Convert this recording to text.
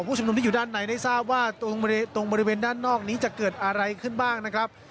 ผู้ชมนุมที่อยู่ด้านในได้ทราบว่าตรงบริเวณด้านนอกนี้จะเกิดอะไรขึ้นบ้างนะครับ